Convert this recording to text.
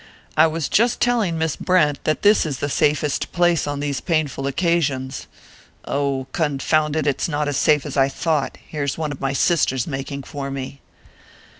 "I was just telling Miss Brent that this is the safest place on these painful occasions Oh, confound it, it's not as safe as I thought! Here's one of my sisters making for me!"